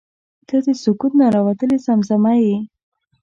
• ته د سکوت نه راوتلې زمزمه یې.